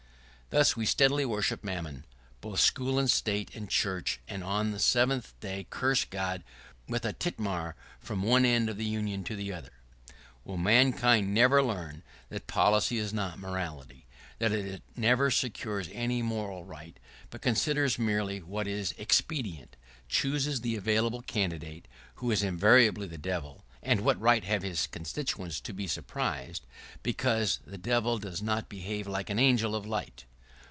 [¶36] Thus we steadily worship Mammon, both school and state and church, and on the seventh day curse God with a tintamar from one end of the Union to the other. [¶37] Will mankind never learn that policy is not morality — that it never secures any moral right, but considers merely what is expedient? chooses the available candidate — who is invariably the Devil — and what right have his constituents to be surprised, because the Devil does not behave like an angel of light?